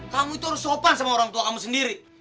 kamu itu harus sopan sama orang tua kamu sendiri